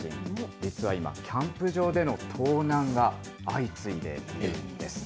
実は今、キャンプ場での盗難が相次いでいるんです。